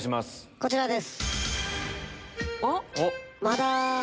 こちらです。